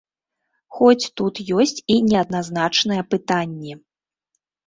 Хоць тут ёсць і неадназначныя пытанні.